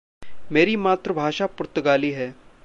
मेरी मातृ भाषा पुर्त्तगाली है।